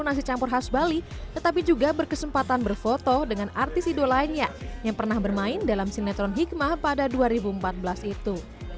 nasi campur khas bali tetapi juga berkesempatan berfoto dengan artis idola lainnya yang pernah bermain dalam sinetron hikmah pada dua ribu empat belas itu